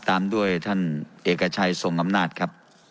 ตามด้วยท่านเอกชัยทรงอำนาจครับ